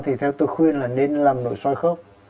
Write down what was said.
thì theo tôi khuyên là nên làm nội soi khớp